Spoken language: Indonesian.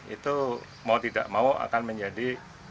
itu mau tidak mau akan menjadi